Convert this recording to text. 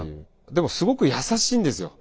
でもすごく優しいんですよ。